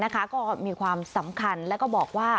ก็มีความสำคัญแล้วก็บอกว่า